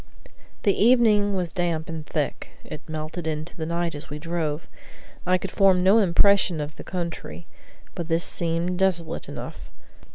The evening was damp and thick. It melted into night as we drove. I could form no impression of the country, but this seemed desolate enough.